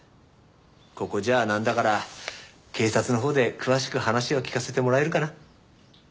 ここじゃなんだから警察のほうで詳しく話を聞かせてもらえるかな？